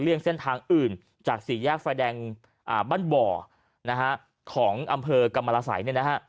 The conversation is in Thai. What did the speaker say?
เลี่ยงเส้นทางอื่นจากสีแยกไฟแดงบ้านบ่อของอำเภอกับมารศัย